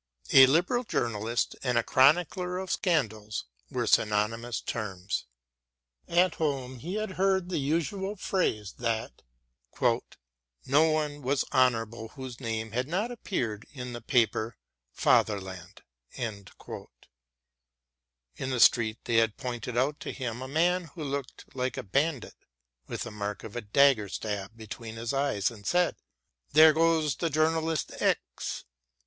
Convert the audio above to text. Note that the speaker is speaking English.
A liberal journalist and a chronicler of scandals were synonymous terms. At home he had heard the usual phrase that "no one was honourable whose name had not appeared in the paper Fatherland." In the street they had pointed out to him a man who looked like a bandit, with the mark of a dagger stab between his eyes, and said, "There goes the journalist X."